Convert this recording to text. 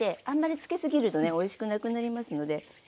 あんまり付けすぎるとねおいしくなくなりますので。